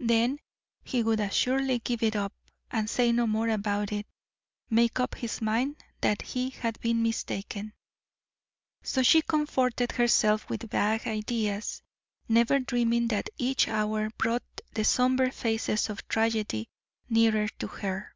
Then he would assuredly give it up, and say no more about it make up his mind that he had been mistaken. So she comforted herself with vague ideas, never dreaming that each hour brought the somber face of tragedy nearer to her.